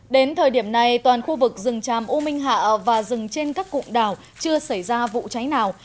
đến thời điểm này toàn khu vực rừng tràm u minh hạ và rừng trên các cụm đảo chưa xảy ra vụ cháy nào